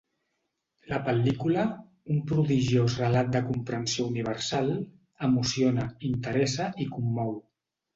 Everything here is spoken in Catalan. La pel·lícula, un prodigiós relat de comprensió universal, emociona, interessa i commou.